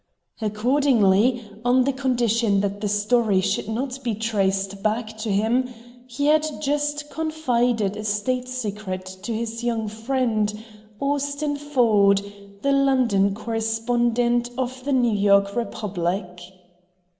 Accordingly, on the condition that the story should not be traced back to him, he had just confided a State secret to his young friend, Austin Ford, the London correspondent of the New York REPUBLIC.